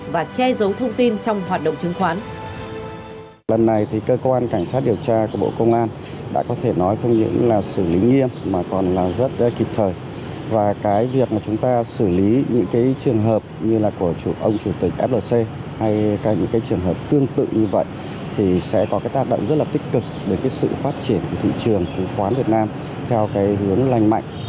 và che giấu thông tin trong hoạt động chứng khoán